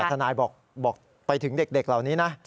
ทนายบอกไปถึงเด็กเหล่านี้นะ